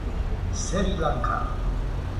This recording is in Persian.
سری لانکا